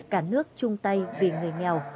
cả nước chung tay vì người nghèo